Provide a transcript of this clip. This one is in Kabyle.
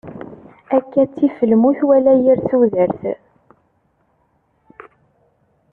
Akka ttif lmut wala yir tudert.